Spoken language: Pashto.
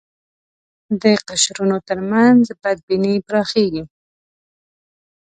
د قشرونو تر منځ بدبینۍ پراخېږي